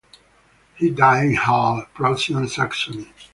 He died in Halle, Prussian Saxony.